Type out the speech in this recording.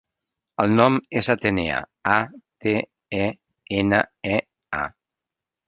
El nom és Atenea: a, te, e, ena, e, a.